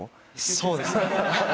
そうですね。